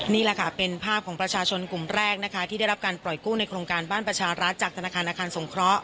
นี่แหละค่ะเป็นภาพของประชาชนกลุ่มแรกนะคะที่ได้รับการปล่อยกู้ในโครงการบ้านประชารัฐจากธนาคารอาคารสงเคราะห